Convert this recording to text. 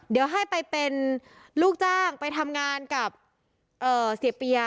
เดี๋ยวให้ไปเป็นลูกจ้างไปทำงานกับเสียเปีย